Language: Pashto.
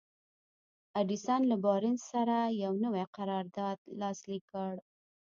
ايډېسن له بارنس سره يو نوی قرارداد لاسليک کړ.